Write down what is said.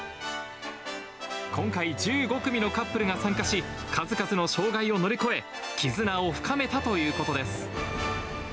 今回、１５組のカップルが参加し、数々の障害を乗り越え、絆を深めたということです。